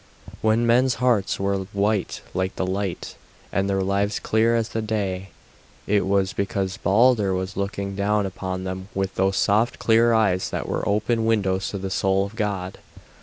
When men's hearts were white like the light, and their lives clear as the day, it was because Balder was looking down upon them with those soft, clear eyes that were open windows to the soul of God.